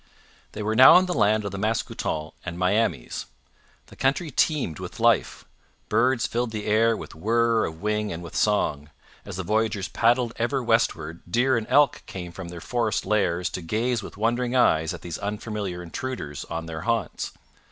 They were now in the land of the Mascoutens and Miamis. The country teemed with life; birds filled the air with whirr of wing and with song; as the voyagers paddled ever westward deer and elk came from their forest lairs to gaze with wondering eyes at these unfamiliar intruders on their haunts.